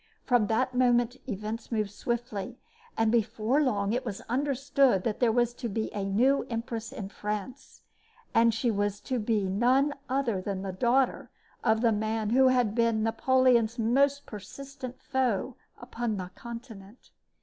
From that moment events moved swiftly; and before long it was understood that there was to be a new empress in France, and that she was to be none other than the daughter of the man who had been Napoleon's most persistent foe upon the Continent.